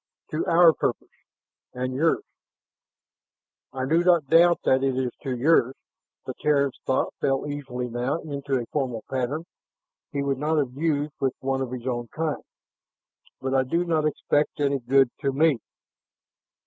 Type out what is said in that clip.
"To our purpose ... and yours " "I do not doubt that it is to yours." The Terran's thoughts fell easily now into a formal pattern he would not have used with one of his own kind. "But I do not expect any good to me...."